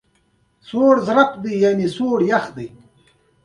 نو بېرته یې هماغه سل زره افغانۍ لاسته راځي